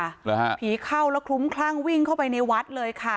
เหรอฮะผีเข้าแล้วคลุ้มคลั่งวิ่งเข้าไปในวัดเลยค่ะ